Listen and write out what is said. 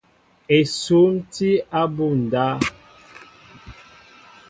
Esŭm tí abunda.